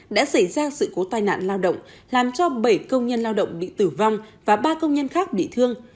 đã xảy ra sự cố tai nạn lao động làm cho bảy công nhân lao động bị tử vong và ba công nhân khác bị thương